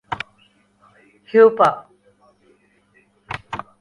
ہیوپا